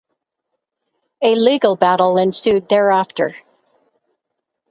A legal battle ensued thereafter.